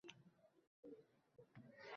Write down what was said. Erkdir dini